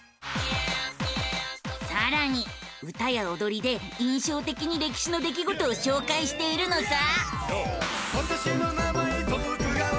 さらに歌やおどりで印象的に歴史の出来事を紹介しているのさ！